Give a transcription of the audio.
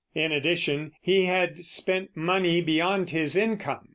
In addition he had spent money beyond his income.